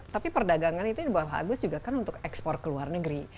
tapi perdagangan itu bagus juga kan untuk ekspor ke luar negeri